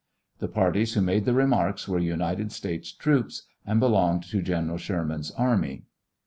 . tt •* j The parties who made the remarks were United States troops, and belonged to General Sherman's army.